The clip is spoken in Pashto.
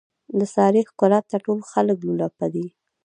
د سارې ښکلاته ټول خلک لولپه دي.